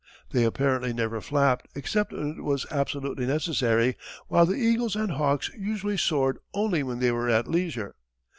They apparently never flapped except when it was absolutely necessary, while the eagles and hawks usually soared only when they were at leisure.